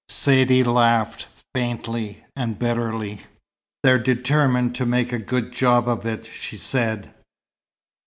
Saidee laughed faintly and bitterly. "They're determined to make a good job of it," she said.